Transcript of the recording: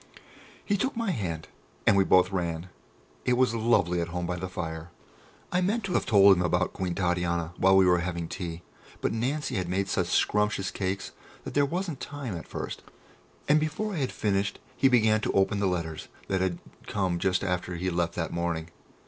He took my hand, and we both ran; it was lovely at home by the fire. I meant to have told him about Queen Titania while we were having tea, but Nancy had made such scrumptious cakes that there wasn't time at first, and before I had finished he began to open the letters that had come just after he left that morning.